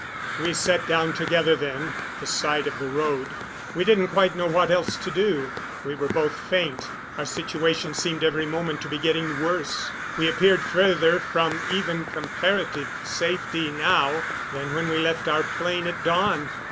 We sat down together then at the side of the road. We didn't quite know what else to do. We were both faint. Our situation seemed every moment to be getting worse; we appeared further from even comparative safety now than when we left our plane at dawn.